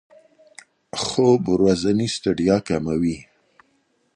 خوب د ورځې ستړیا کموي.